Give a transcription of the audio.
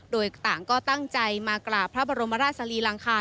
โดยต่างก็ตั้งใจมากราบพระบรมราชสรีรังคาร